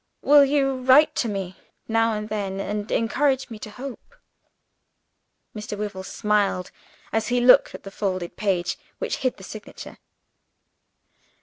Will you write to me now and then, and encourage me to hope?" Mr. Wyvil smiled, as he looked at the folded page, which hid the signature.